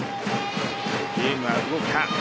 ゲームは動くか。